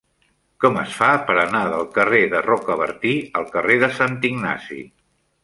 Com es fa per anar del carrer de Rocabertí al carrer de Sant Ignasi?